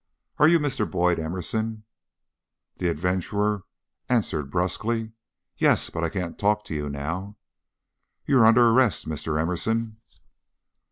"Are you Mr. Boyd Emerson?" The adventurer answered brusquely, "Yes, but I can't talk to you now." "You are under arrest, Mr. Emerson."